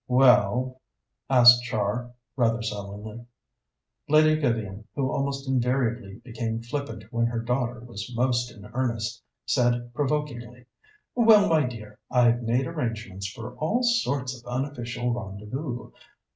"Well?" asked Char, rather sullenly. Lady Vivian, who almost invariably became flippant when her daughter was most in earnest, said provokingly: "Well, my dear, I've made arrangements for all sorts of unofficial rendezvous.